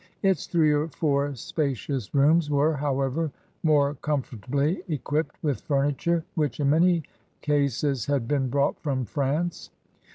Its three or four spacious rooms were, however, more comfortably equipped with furniture which in many cases had been brought from France.